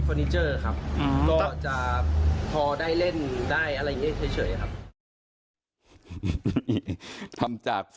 ไม่มีรอยไฟไหม้